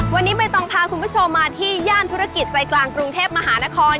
วันนี้ใบตองพาคุณผู้ชมมาที่ย่านธุรกิจใจกลางกรุงเทพมหานคร